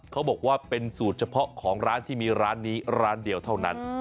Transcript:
เขาบอกว่าเป็นสูตรเฉพาะของร้านที่มีร้านนี้ร้านเดียวเท่านั้น